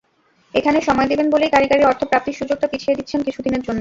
এখানে সময় দেবেন বলেই কাঁড়ি কাঁড়ি অর্থ প্রাপ্তির সুযোগটা পিছিয়ে দিচ্ছেন কিছুদিনের জন্য।